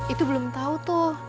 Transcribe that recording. itu belum tau toh